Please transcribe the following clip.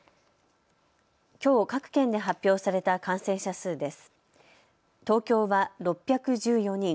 きょう各県で発表された感染者数です。